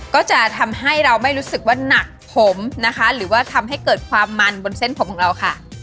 ก็จะทำให้เราไม่รู้สึกว่าหนักผมนะคะหรือว่าทำให้เกิดความมันบนเส้นผมของเราค่ะ